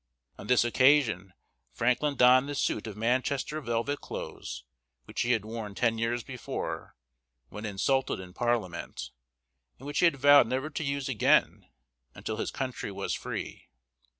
On this occasion Franklin donned the suit of Manchester velvet clothes which he had worn ten years before, when insulted in Parliament, and which he had vowed never to use again until his country was free.